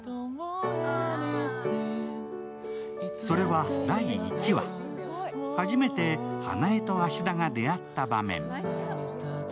それは第１話、初めて花枝と芦田が出会った場面。